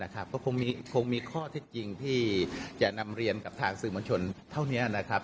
ก็คงมีข้อเท็จจริงที่จะนำเรียนกับทางสื่อมวลชนเท่านี้นะครับ